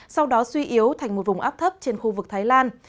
sau đó suy yếu thành một vùng áp thấp trên khu vực thái lan